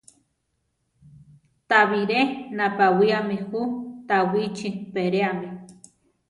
Ta biré napawiáme jú Tawichi peréami.